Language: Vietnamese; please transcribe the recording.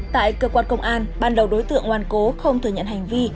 tại cơ quan công an ban đầu đối tượng oan cố không thừa nhận hành vi